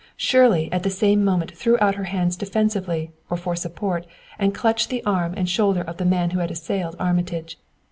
Shirley at the same moment threw out her hands, defensively or for support, and clutched the arm and shoulder of the man who had assailed Armitage.